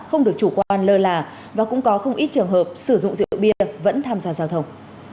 không được chủ quan lơ là và cũng có không ít trường hợp sử dụng rượu bia vẫn tham gia giao thông